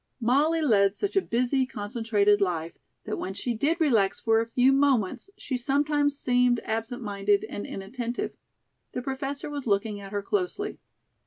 Molly led such a busy, concentrated life, that when she did relax for a few moments, she sometimes seemed absent minded and inattentive. The Professor was looking at her closely.